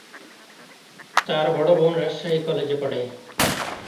তার বড় বোন রাজশাহী কলেজে পড়ে।